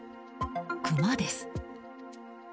クマです。